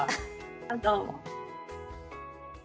どうも。